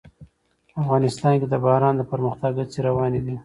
افغانستان کې د باران د پرمختګ هڅې روانې دي.